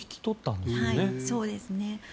そうですね。